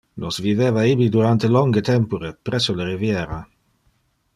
Nos viveva ibi durante longe tempore, presso le riviera.